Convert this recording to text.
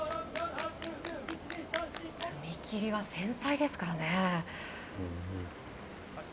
踏み切りは繊細ですからね。